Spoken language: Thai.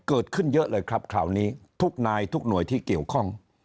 เกิดขึ้นเยอะเลยครับคราวนี้ทุกนายทุกหน่วยที่เกี่ยวข้อง